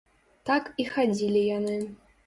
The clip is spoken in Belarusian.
Так і хадзілі яны.